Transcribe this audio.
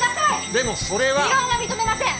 でもそれは異論は認めません